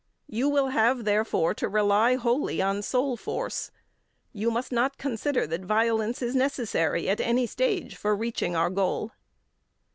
You will have, therefore, to rely wholly on soul force. You must not consider that violence is necessary at any stage for reaching our goal."